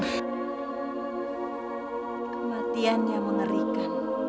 kematian yang mengerikan